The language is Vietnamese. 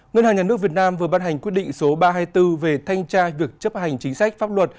ngân hàng nhà nước việt nam vừa ban hành quyết định số ba trăm hai mươi bốn về thanh tra việc chấp hành chính sách pháp luật